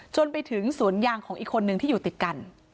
จนไปถึงสวนยางของอีกคนนึงที่อยู่ติดกัน